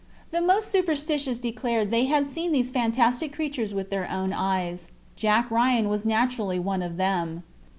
The most superstitious declared they had seen these fantastic creatures with their own eyes. Jack Ryan was naturally one of them.